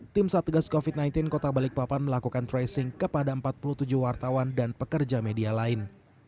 tim satgas covid sembilan belas kota balikpapan melakukan tracing kepada empat puluh tujuh wartawan dan pekerja media lain